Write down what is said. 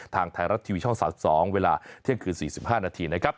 ทางไทยรัฐทีวีช่อง๓๒เวลาเที่ยงคืน๔๕นาทีนะครับ